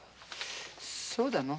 そうだのう。